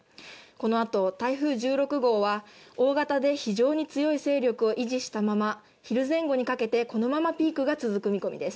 この後、台風１６号は大型で非常に強い勢力を維持したまま昼前後にかけて、このままピークが続く見込みです。